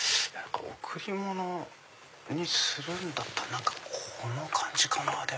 贈り物にするんだったらこの感じかな。